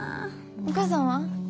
お母さんは？